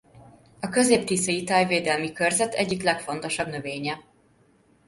A Közép-Tiszai Tájvédelmi Körzet egyik legfontosabb növénye.